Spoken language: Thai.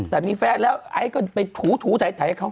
แต่มีแฟนแล้วไอ้ก็ไปถูถ่ายให้เขา